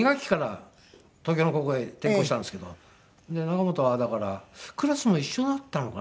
で仲本はだからクラスも一緒だったのかな？